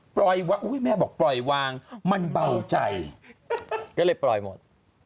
แม่บอกปล่อยวางมันเบาใจก็เลยปล่อยหมด